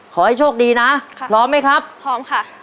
ขอให้โชคดีนะพร้อมไหมครับพร้อมค่ะ